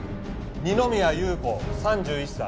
二宮裕子３１歳。